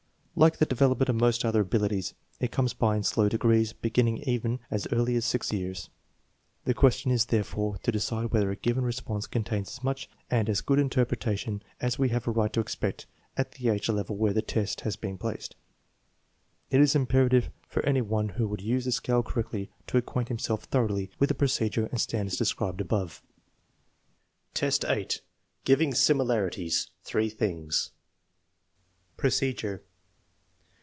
Like the development of most other abili ties, it comes by slow degrees, beginning even as early as 6 years. The question is, therefore, to decide whether a given re sponse contains as much and as good interpretation as 30G THE MEASUREMENT OF INTELLIGENCE we have a right to expect at the age level where the test has been placed. It is imperative for any one who would use the scale correctly to acquaint himself thoroughly with the procedure and standards described above. XII, 8. Giving similarities, three things Procedure.